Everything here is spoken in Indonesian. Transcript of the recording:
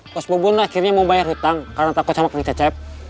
pos bubun akhirnya mau bayar hutang karena takut sama kang cecep